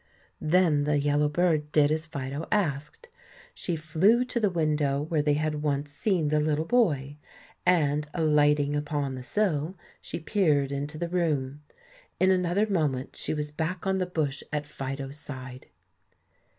Then the yellow bird did as Fido asked, she flew to the window where they had once seen the little boy, and alighting upon the sill, she peered into the room. In another moment she was back on the bush at Fido's side.